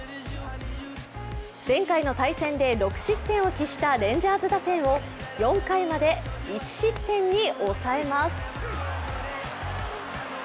前回の対戦で６失点を喫したレンジャーズ打線を４回まで１失点に抑えます。